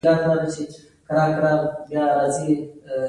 دا نړۍ له موږ څخه د نویو مفکورو غوښتنه کوي